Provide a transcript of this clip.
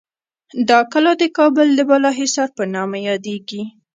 دا کلا د کابل د بالاحصار په نامه یادیږي.